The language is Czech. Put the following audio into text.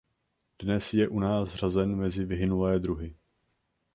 Dnes je u nás řazen mezi vyhynulé druhy.